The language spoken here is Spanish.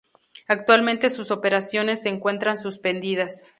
Actualmente sus operaciones se encuentran suspendidas.